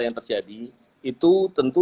yang terjadi itu tentu